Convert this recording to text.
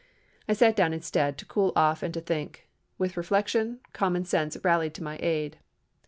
I sat down instead, to cool off and to think. With reflection, common sense rallied to my aid.